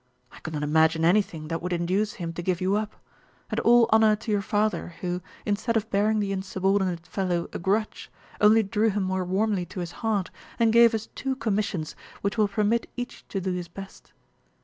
I could not imagine anything that would induce him to give you up; and all honour to your father, who, instead of bearing the insubordinate fellow a grudge, only drew him more warmly to his heart, and gave us two commissions which will permit each to do his best.